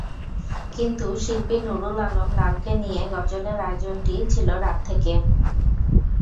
কিন্তু শিল্পী নুরুল আলম লালকে নিয়ে গজলের আয়োজনটি ছিল রাত থেকে।